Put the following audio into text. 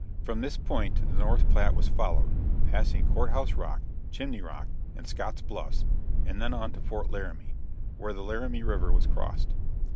From this point the North Platte was followed, passing Court House Rock, Chimney Rock and Scott's Bluffs, and then on to Fort Laramie, where the Laramie River was crossed.